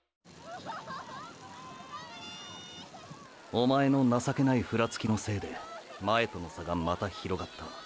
おまえの情けないフラつきのせいで前との差がまた広がった。